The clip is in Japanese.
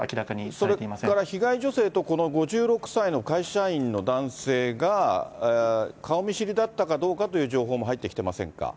それから被害女性とこの５６歳の会社員の男性が、顔見知りだったかどうかという情報も入ってきていませんか？